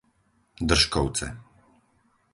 Držkovce